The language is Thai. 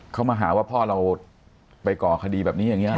เขามาหาว่าพ่อเราไปก่อคดีแบบนี้อย่างนี้